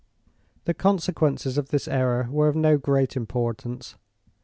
The consequences of this error were of no great importance.